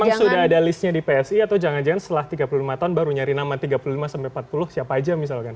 memang sudah ada listnya di psi atau jangan jangan setelah tiga puluh lima tahun baru nyari nama tiga puluh lima sampai empat puluh siapa aja misalkan